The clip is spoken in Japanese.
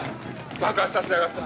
爆発させやがった。